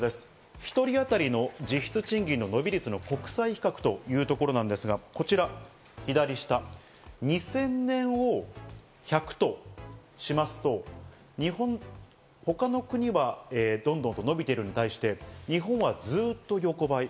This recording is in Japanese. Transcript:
１人あたりの実質賃金の伸び率の国際比較というところですが、こちら左下、２０００年を１００としますと、他の国はどんどん伸びているのに対して、日本はずっと横ばい。